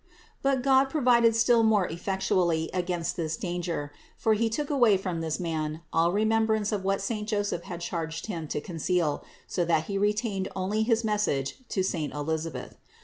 But God provided still more effectually against this danger; for He took away from this man all remembrance of what saint Joseph had charged him to conceal, so that he retained only his message to saint Elisabeth.